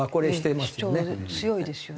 主張強いですよね。